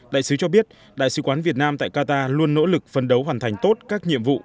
đại sứ cho biết đại sứ quán việt nam tại qatar luôn nỗ lực phân đấu hoàn thành tốt các nhiệm vụ